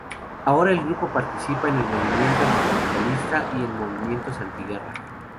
Ahora el grupo participa en el movimiento anticapitalista y en movimientos antiguerra.